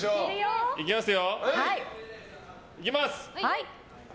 いきます！